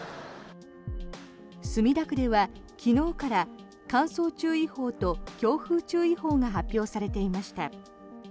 墨田区では昨日から乾燥注意報と強風注意報が発表されていました。